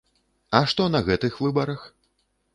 А што на гэтых выбарах?